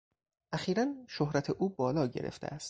اخیرا شهرت او بالا گرفته است.